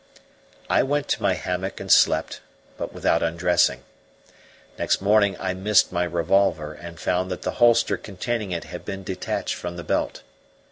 I went to my hammock and slept, but without undressing. Next morning I missed my revolver and found that the holster containing it had been detached from the belt.